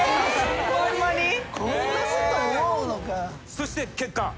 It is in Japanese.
そして結果。